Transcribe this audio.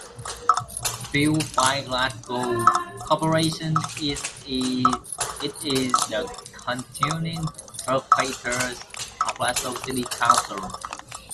Built by Glasgow Corporation it is the continuing headquarters of Glasgow City Council.